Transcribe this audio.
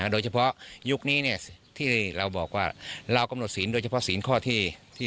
เรากำหนดศีลโดยเฉพาะศีลข้อที่๖